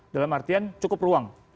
dalam artian cukup ruang